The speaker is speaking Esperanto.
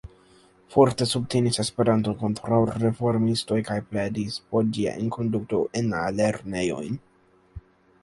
Forte subtenis Esperanton kontraŭ reformistoj kaj pledis por ĝia enkonduko en la lernejojn.